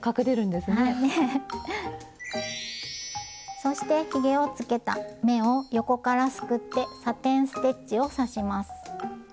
そしてひげをつけた目を横からすくってサテン・ステッチを刺します。